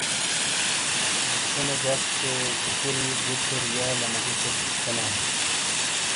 مُچھونے جک سے (ٹوکوری ) (گوتھر ) یا لما گوتھراستعمال تھینالے ۔